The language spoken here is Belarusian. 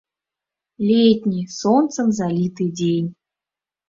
Летні, сонцам заліты дзень.